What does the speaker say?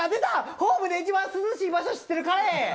ホームで一番涼しい場所知ってる彼！